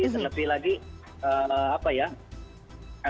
dan lebih lagi apa ya